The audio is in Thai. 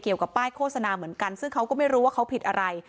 เกี่ยวกับป้ายโฆษณาเหมือนกันซึ่งเขาก็ไม่รู้ว่าเขาผิดอะไร